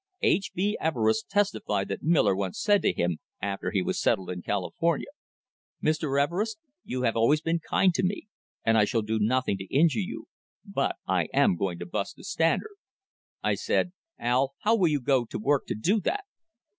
H. B. Everest testified that Miller once said to him after he was settled in California: "Mr. Everest, you have always been kind to me, and I shall do nothing to injure you, but I am going to bust the Standard." I said: "Al, how will you go to work to do that?"